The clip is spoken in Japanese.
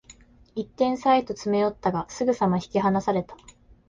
一点差へと詰め寄ったが、すぐさま引き離された